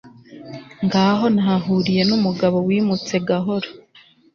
Ngaho nahahuriye numugabo wimutse gahoro